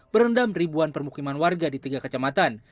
berendam ribuan permukiman warga di tiga kecamatan